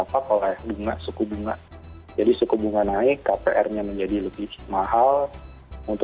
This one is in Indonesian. mayangnya bisa semakin fitz yt umptah cuti artific fils